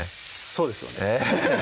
そうですよね